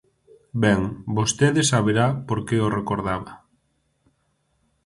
Ben, vostede saberá por que o recordaba.